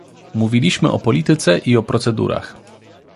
Mówiliśmy o polityce i o procedurach